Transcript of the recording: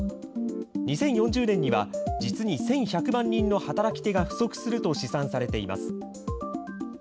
２０４０年には、実に１１００万人の働き手が不足すると試算されています。